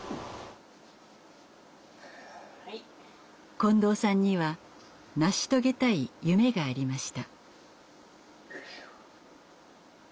近藤さんには成し遂げたい夢がありました。